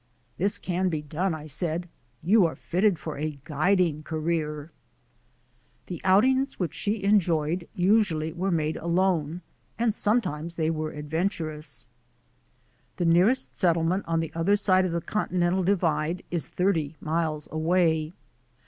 "This can be done," I said, "you are fitted for a guiding career." The outings which she enjoyed usually were made alone and sometimes they were adventurous. The nearest settlement on the other side of the Conti nental Divide is thirty miles away.